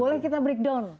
boleh kita breakdown